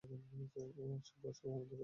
ও আসে, বসে এবং আমাদেরকে দেখে!